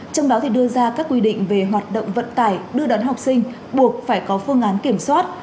trong đó đưa ra các quy định về hoạt động vận tải đưa đón học sinh buộc phải có phương án kiểm soát